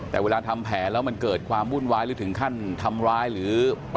แต่เวลาทำแผนแล้วมันเกิดความวุ่นว้ายหรือถึงขั้นทำร้ายหรือขี้บัชชาธารนาที่โอกัดขึ้นจะเจ็บหนักเจ็บหน้าจริงนะฮะ